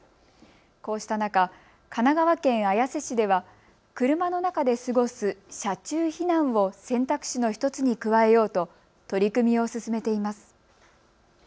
こうした中、神奈川県綾瀬市では車の中で過ごす車中避難を選択肢の１つに加えようと取り組みを進めています。